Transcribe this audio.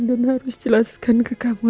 dan harus jelaskan ke kamu